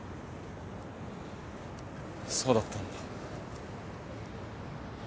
そうだったんだ。